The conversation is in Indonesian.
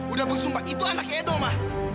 udah bersumpah itu anak edo ma